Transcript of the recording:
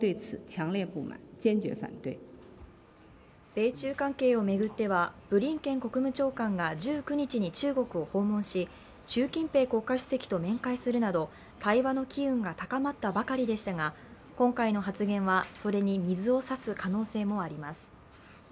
米中関係をめぐってはブリンケン国務長官が１９日に中国を訪問し習近平国家主席と面会するなど対話の機運が高まったばかりでしたが今回の発言はそれに水を差す可能性もあります。